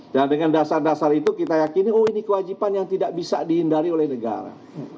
dan dengan dasar dasar itu kita yakini oh ini kewajiban yang tidak bisa dihindari oleh negara